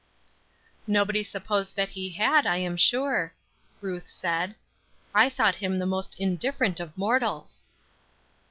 "Nobody supposed that he had, I am sure," Ruth said; "I thought him the most indifferent of mortals."